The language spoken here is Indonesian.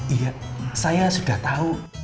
iya saya sudah tau